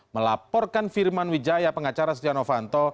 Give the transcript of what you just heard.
melaporkan firman wijaya pengacara setia novanto